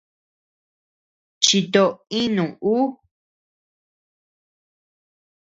Chito inu ú.